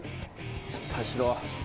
失敗しろ。